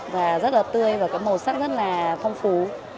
và rất là tươi và có màu sắc rất là phong phú